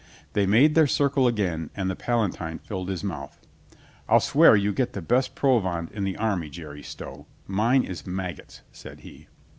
They made their circle again and the Palatine filled his mouth. "I'll swear you get the best provand in the army, Jerry Stow. Mine is maggots," said he.